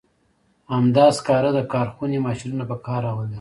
همدا سکاره د کارخونې ماشینونه په کار راولي.